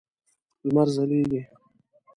لمر ځلیږی